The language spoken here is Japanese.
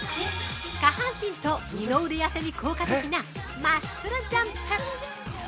下半身と二の腕痩せに効果的なマッスルジャンプ。